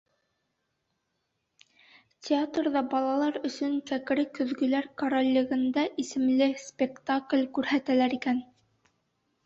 Театрҙа балалар өсөн «Кәкере көҙгөләр короллегендә» исемле спектакль күрһәтәләр икән.